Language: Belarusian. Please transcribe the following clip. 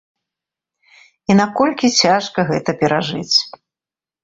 І наколькі цяжка гэта перажыць?